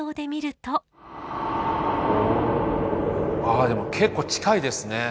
あでも結構近いですね。